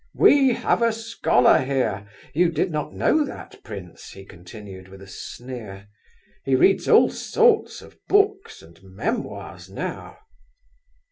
We have a scholar here; you did not know that, prince?" he continued, with a sneer. "He reads all sorts of books and memoirs now."